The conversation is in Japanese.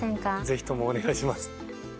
ぜひともお願いします。